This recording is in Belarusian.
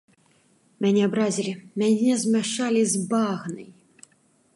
Мяне абразілі, мяне змяшалі з багнай!